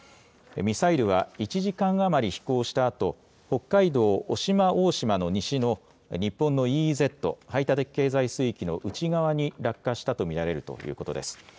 ミサイルは１時間余り飛行したあと北海道渡島大島の西の日本のＥＥＺ・排他的経済水域の内側に落下したと見られるということです。